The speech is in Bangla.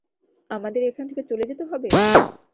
আমাদের এখান থেকে চলে যেতে হবে!